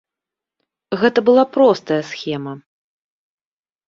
Гэта была простая схема.